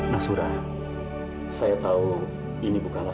mas surah aku juga merasa sedih